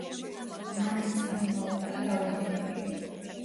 მათი წარმომავლობა დაუდგენელია.